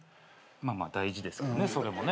まあまあ大事ですからねそれもね。